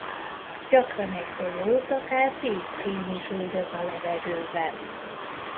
Gyakran egy tojót akár tíz hím is üldöz a levegőben.